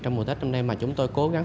trong mùa tết năm nay mà chúng tôi cố gắng